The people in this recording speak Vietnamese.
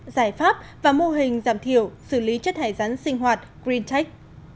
giải pháp và mô hình giảm thiểu xử lý chất thải rắn sinh hoạt greentech